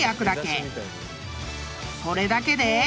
［それだけで］